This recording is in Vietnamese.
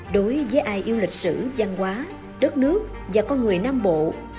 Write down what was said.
đối với ai yêu lịch sử giang hóa đất nước và con người nam bộ